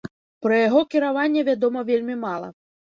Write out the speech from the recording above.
Пра яго кіраванне вядома вельмі мала.